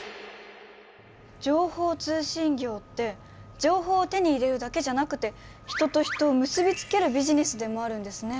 情報通信業って情報を手に入れるだけじゃなくて人と人を結びつけるビジネスでもあるんですね。